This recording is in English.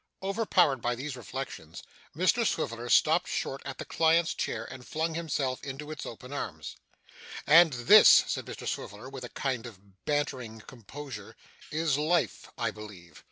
Overpowered by these reflections, Mr Swiveller stopped short at the clients' chair, and flung himself into its open arms. 'And this,' said Mr Swiveller, with a kind of bantering composure, 'is life, I believe.